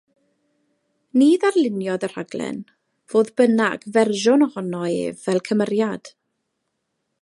Ni ddarluniodd y rhaglen, fodd bynnag fersiwn ohono ef fel cymeriad.